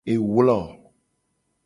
Ewlo.